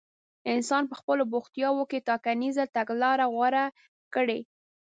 انسان په خپلو بوختياوو کې ټاکنيزه تګلاره غوره کړي.